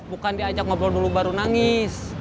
bukan diajak ngobrol dulu baru nangis